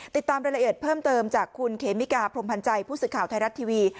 ติดตามรายละเอียดเพิ่มเติมจากคุณเขมิกาพรมพันธ์ใจผู้สื่อข่าวไทยรัฐทีวี